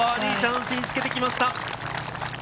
これもバーディーチャンスにつけてきました。